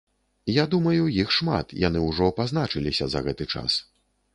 Я думаю, іх шмат, яны ўжо пазначыліся за гэты час.